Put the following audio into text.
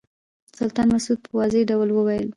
سلطان مسعود په واضح ډول وویل.